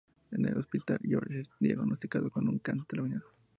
En el hospital, George es diagnosticado con un cáncer terminal.